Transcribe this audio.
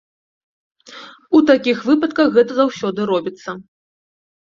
У такіх выпадках гэта заўсёды робіцца.